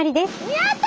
やった！